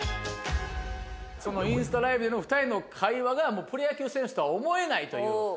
そのインスタライブでの２人の会話がプロ野球選手とは思えないという。